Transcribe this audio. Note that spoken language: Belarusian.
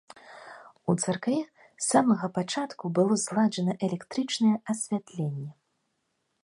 У царкве з самага пачатку было зладжана электрычнае асвятленне.